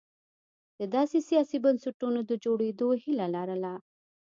د داسې سیاسي بنسټونو د جوړېدو هیله لرله.